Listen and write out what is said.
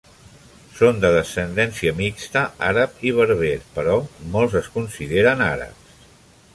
Són de descendència mixta àrab i berber, però molts es consideren àrabs.